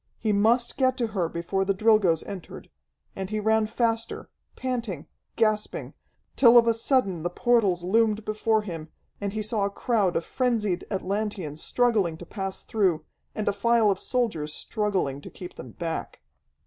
He must get to her before the Drilgoes entered. And he ran faster, panting, gasping, till of a sudden the portals loomed before him, and he saw a crowd of frenzied Atlanteans struggling to pass through, and a file of soldiers struggling to keep them back.